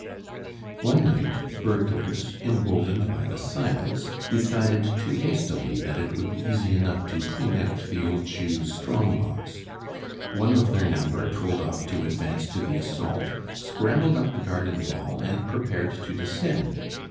One night burglars, emboldened by the silence, decided too hastily that it would be easy enough to "clean out" the old Jew's strong box. One of their number told off to advance to the assault scrambled up the garden wall and prepared to descend.